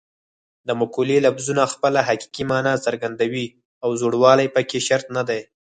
د مقولې لفظونه خپله حقیقي مانا څرګندوي او زوړوالی پکې شرط نه دی